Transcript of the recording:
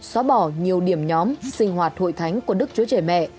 xóa bỏ nhiều điểm nhóm sinh hoạt hội thánh của đức chúa trẻ mẹ